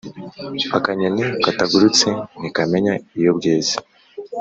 Akanyoni katagurutse ntikamenya iyo bweze.